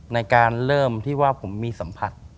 ในการเริ่มที่ว่าผมมีสัมผัส